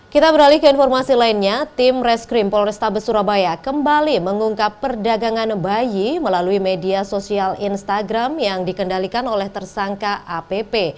kita beralih ke informasi lainnya tim reskrim polrestabes surabaya kembali mengungkap perdagangan bayi melalui media sosial instagram yang dikendalikan oleh tersangka app